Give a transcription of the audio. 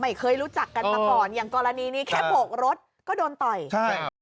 ไม่เคยรู้จักกันมาก่อนอย่างกรณีนี้แค่โบกรถก็โดนต่อยใช่